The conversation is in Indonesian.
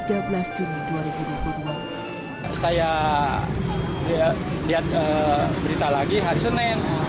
pada saya lihat berita lagi hari senin